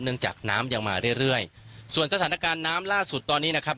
จากน้ำยังมาเรื่อยเรื่อยส่วนสถานการณ์น้ำล่าสุดตอนนี้นะครับ